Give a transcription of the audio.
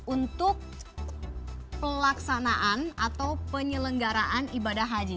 untuk pelaksanaan atau penyelenggaraan ibadah haji